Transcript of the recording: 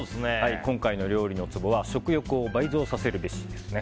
今回の料理のツボは食欲を倍増させるべしです。